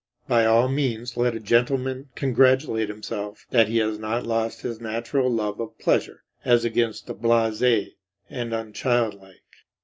By all means let a gentleman congratulate himself that he has not lost his natural love of pleasure, as against the blase, and unchildlike.